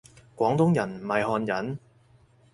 廣東人唔係漢人？